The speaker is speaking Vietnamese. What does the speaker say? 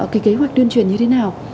cái kế hoạch tuyên truyền như thế nào